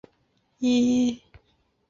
马凯也是一位诗人。